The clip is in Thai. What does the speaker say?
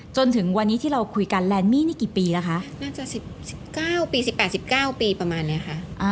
จนถึงวันนี้ที่เราคุยกันแลนด์มี่นี่กี่ปีแล้วคะน่าจะสิบเก้าปีสิบแปดสิบเก้าปีประมาณนี้ค่ะ